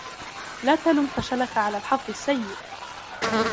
لا تلُمْ فشلك على الحظ السيء.